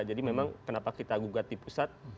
jadi memang kenapa kita gugat di pusat